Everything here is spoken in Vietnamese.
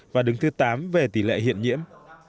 và đứng thứ tám về tỷ lệ hiện nhiễm